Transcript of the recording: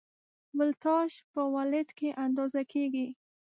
ولتاژ په ولټ کې اندازه کېږي.